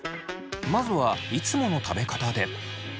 まずはいつもの食べ方で。